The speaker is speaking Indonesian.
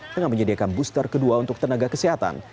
dengan menyediakan booster kedua untuk tenaga kesehatan